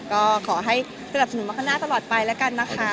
ก็ขอให้สนับสนุนมักคณะตลอดไปแล้วกันนะคะ